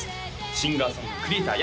シンガー・ソングクリエイター